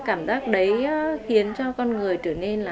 cảm giác đấy khiến cho con người trở nên là